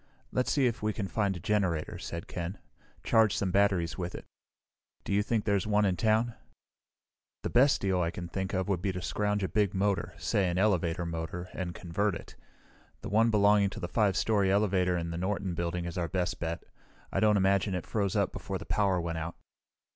"Let's see if we can find a generator," said Ken. "Charge some batteries with it. Do you think there's one in town?" "The best deal I can think of would be to scrounge a big motor, say an elevator motor, and convert it. The one belonging to the 5 story elevator in the Norton Building is our best bet. I don't imagine it froze up before the power went out."